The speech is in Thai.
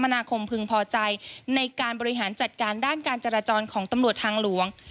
นาคมพึงพอใจในการบริหารจัดการด้านการจราจรของตำรวจทางหลวง